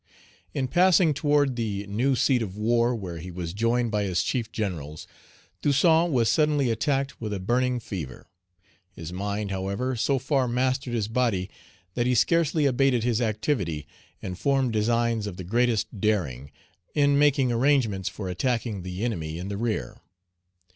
In passing toward the new seat of war, where he was joined by his chief generals, Toussaint was suddenly attacked with a burning fever. His mind, however, so far mastered his body that he scarcely abated his activity, and formed designs of the greatest daring, in making arrangements for attacking the enemy in the rear.